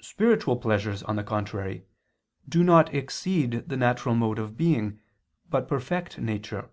Spiritual pleasures, on the contrary, do not exceed the natural mode of being, but perfect nature.